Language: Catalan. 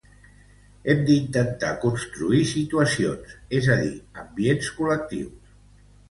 Hem d'intentar construir situacions, és a dir, ambients col·lectius.